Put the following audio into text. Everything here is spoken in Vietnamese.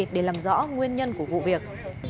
để tìm hiểu rõ nguyên nhân của vụ việc